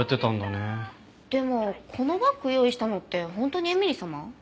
でもこのバッグ用意したのって本当に絵美里様？